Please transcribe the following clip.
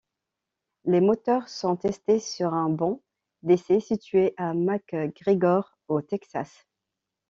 Les moteurs sont testés sur un banc d'essais situé à McGregor au Texas.